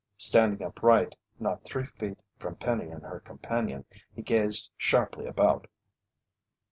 Standing upright not three feet from Penny and her companion, he gazed sharply about.